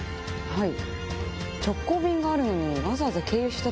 はい。